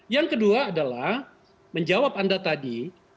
yang kedua adalah menjawab anda tadi